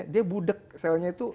dia budek selnya itu